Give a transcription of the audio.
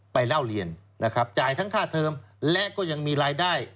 เล่าเรียนนะครับจ่ายทั้งค่าเทอมและก็ยังมีรายได้